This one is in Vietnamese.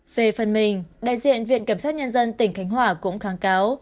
về phần mình đại diện viện kiểm sát nhân dân tỉnh khánh hòa cũng kháng cáo